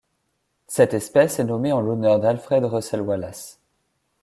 Cette espèce est nommée en l'honneur d'Alfred Russel Wallace.